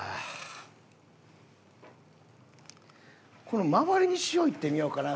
この周りに塩いってみようかな？